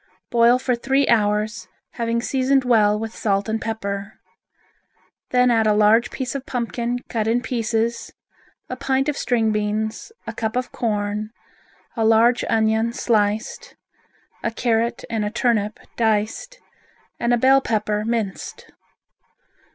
Boil for three hours, having seasoned well with salt and pepper. Then add a large piece of pumpkin cut in pieces, a pint of string beans, a cup of corn, a large onion sliced, a carrot and a turnip diced, and a bell pepper minced.